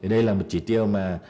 đây là một chỉ tiêu mà